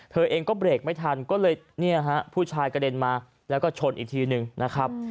เธอเองก็เบรกไม่ทันก็เลยเนี่ยฮะผู้ชายกระเด็นมาแล้วก็ชนอีกทีหนึ่งนะครับ